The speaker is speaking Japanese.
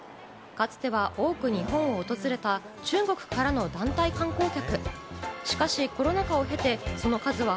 かつては多く日本を訪れた中国からの団体観光客。